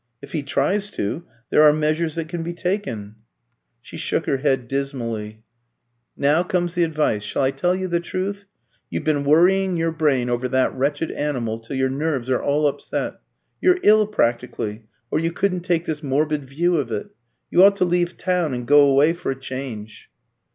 If he tries to, there are measures that can be taken." She shook her head dismally. "Now comes the advice. Shall I tell you the truth? You've been worrying your brain over that wretched animal till your nerves are all upset. You're ill practically, or you couldn't take this morbid view of it. You ought to leave town and go away for a change."